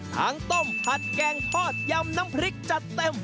ต้มผัดแกงทอดยำน้ำพริกจัดเต็ม